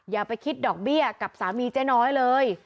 อย่าไปคิดดอกเบี้ยกับสามีเจ๊น้อยเลย